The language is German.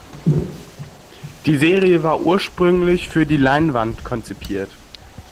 Die Serie war ursprünglich für die Leinwand konzipiert.